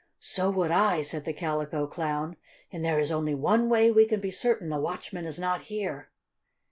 "So would I," said the Calico Clown. "And there is only one way we can be certain the watchman is not here."